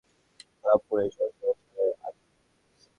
পালামপুরের সহজ-সরল ছেলে আমি।